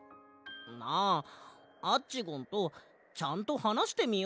なあアッチゴンとちゃんとはなしてみようぜ。